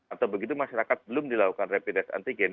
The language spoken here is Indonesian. atau begitu masyarakat belum dilakukan rapid test antigen